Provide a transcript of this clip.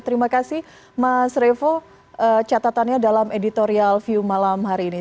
terima kasih mas revo catatannya dalam editorial view malam hari ini